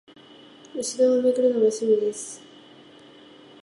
お城を巡るのが趣味です